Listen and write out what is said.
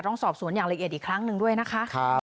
ต้องสอบสวนอย่างละเอียดอีกครั้งหนึ่งด้วยนะคะ